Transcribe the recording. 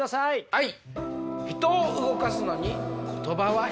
はい。